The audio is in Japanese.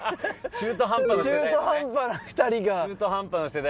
中途半端な２人が。